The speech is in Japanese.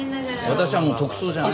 私はもう特捜じゃない。